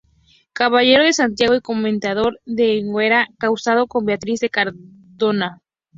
Caballero de Santiago y Comendador de Enguera, casado con Beatriz de Cardona.